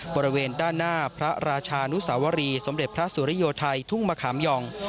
บริเวณด้านหน้าพระราชานุสาวรีสมเด็จพระสุริโยไทยทุ่งมะขามยอง